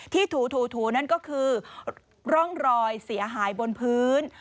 ถูนั่นก็คือร่องรอยเสียหายบนพื้น